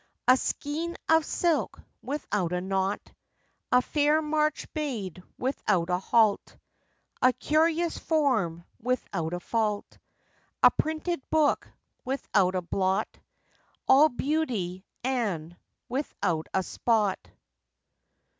A skein of silk without a knot, A fair march made without a halt, A curious form without a fault, A printed book without a blot, All beauty, and without a spot!